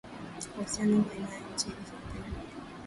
uhusiano baina ya nchi hizo mbili